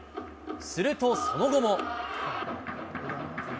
するとその後も。